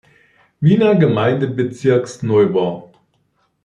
Wiener Gemeindebezirks, Neubau.